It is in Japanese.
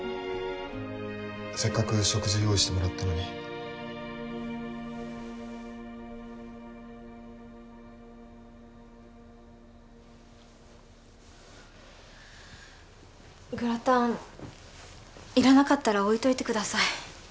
せっかく食事用意してもらったのにグラタンいらなかったら置いといてください